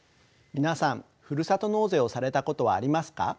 皆さんふるさと納税をされたことはありますか。